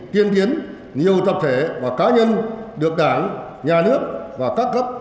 tiên tiến nhiều tập thể và cá nhân được đảng nhà nước và các cấp